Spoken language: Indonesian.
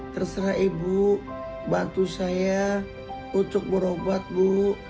terserah ibu bantu saya untuk berobat bu